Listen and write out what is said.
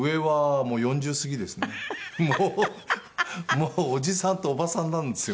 もうおじさんとおばさんなんですよ。